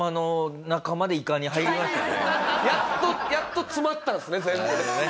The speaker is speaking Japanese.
やっとやっと詰まったんですね全部ね。